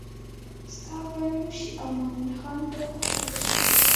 ستا به نوم شي او مومن خان به خوشحاله شي.